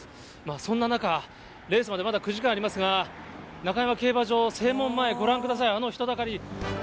そんな中、レースまでまだ９時間ありますが、中山競馬場正門前、ご覧ください、あの人だかり。